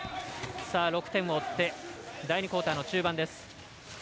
６点を追って第２クオーターの中盤。